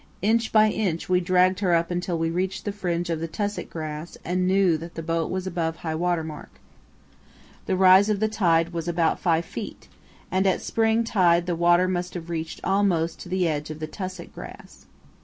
Inch by inch we dragged her up until we reached the fringe of the tussock grass and knew that the boat was above high water mark. The rise of the tide was about five feet, and at spring tide the water must have reached almost to the edge of the tussock grass.